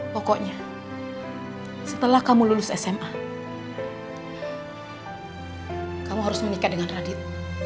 pokoknya setelah kamu lulus sma kamu harus menikah dengan radit